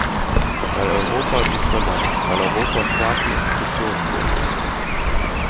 Weil Europa dies verlangt, weil Europa starke Institutionen will!